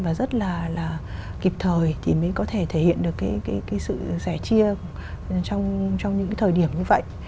và rất là kịp thời thì mới có thể thể hiện được cái sự sẻ chia trong những thời điểm như vậy